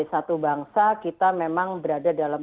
satu bangsa kita memang berada dalam